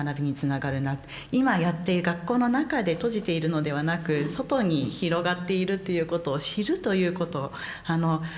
今やっている学校の中で閉じているのではなく外に広がっているということを知るということ。